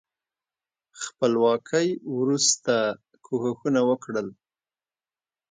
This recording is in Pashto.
خپلواکۍ وروسته کوښښونه وکړل.